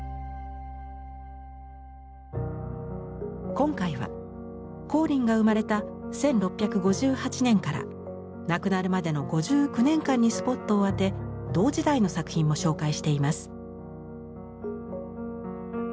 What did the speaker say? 今回は光琳が生まれた１６５８年から亡くなるまでの５９年間にスポットを当て同時代の作品も紹介しています。